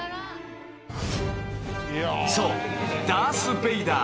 ［そう］